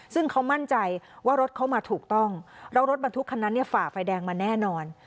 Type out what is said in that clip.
ซึ่งเขามั่นใจว่ารถเขามาถูกต้องแล้วรถบรรทุกคันนั้นฝ่าไฟแดงมาแน่นอน